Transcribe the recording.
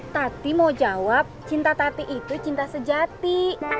tati mau jawab cinta tati itu cinta sejati